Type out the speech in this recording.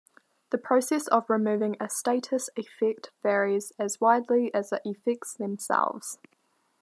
The process of removing a status effect varies as widely as the effects themselves.